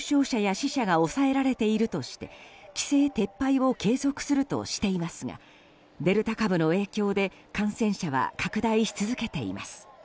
死者が抑えられているとして規制撤廃を継続するとしていますがデルタ株の影響で感染者は拡大し続けています。